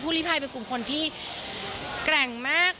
ลิภัยเป็นกลุ่มคนที่แกร่งมาก